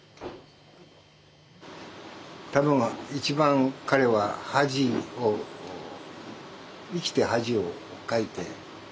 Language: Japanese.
多分一番彼は恥を生きて恥をかいて。